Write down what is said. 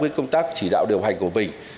trong công tác chỉ đạo điều hành của mình